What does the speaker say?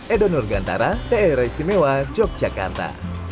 edo nurgantara daerah istimewa yogyakarta